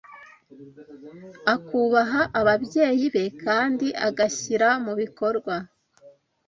akubaha ababyeyi be, kandi agashyira mu bikorwa